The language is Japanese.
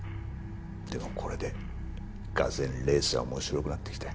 でもこれで俄然レースは面白くなってきた。